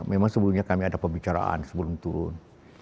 memang sebelumnya kami ada pembicaraan sebelum turun